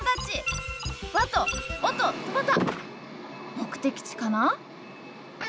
目的地かな？